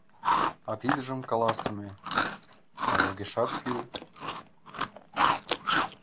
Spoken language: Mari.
А тидыжым каласыме... ала огешат кӱл?